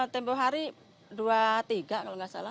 tempoh hari dua tiga kalau nggak salah